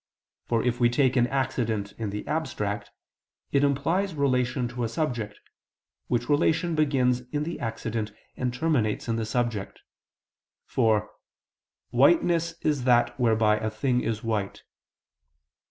For if we take an accident in the abstract, it implies relation to a subject, which relation begins in the accident and terminates in the subject: for "whiteness is that whereby a thing is white."